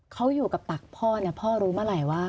เขาอยู่กับตักพ่อเนี่ยพ่อรู้เมื่อไหร่ว่า